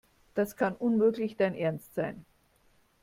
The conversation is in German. Das kann unmöglich dein Ernst sein.